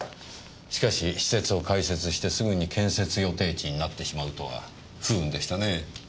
しかし施設を開設してすぐに建設予定地になってしまうとは不運でしたねぇ。